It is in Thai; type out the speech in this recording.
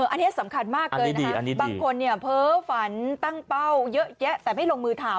อันนี้สำคัญมากเลยนะฮะบางคนเนี่ยเพ้อฝันตั้งเป้าเยอะแยะแต่ไม่ลงมือถาม